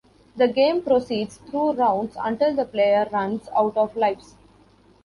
The game proceeds through rounds until the player runs out of lives.